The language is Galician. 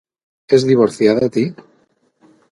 Es divorciada, ti?